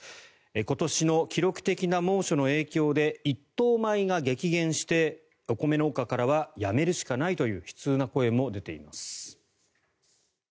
今年の記録的な猛暑の影響で一等米が激減してお米農家からはやめるしかないという悲痛な声も出ています。